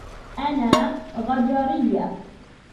أنا غجريّة.